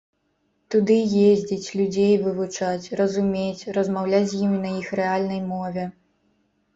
Туды ездзіць, людзей вывучаць, разумець, размаўляць з імі на іх рэальнай мове.